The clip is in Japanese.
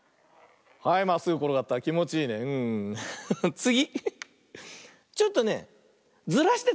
つぎ！